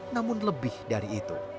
namun lebih dari itu